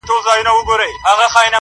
زما له انګړه جنازې در پاڅي!!